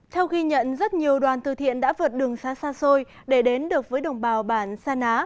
theo ghi nhận rất nhiều đoàn từ thiện đã vượt đường xa xa xôi để đến được với đồng bào bản sa ná